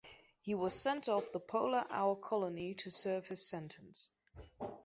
He was sent off the Polar Owl Colony to serve his sentence.